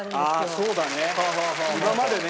そうだね。